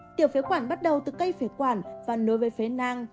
tiểu phế quản bắt đầu từ cây phế quản và nối với phía nang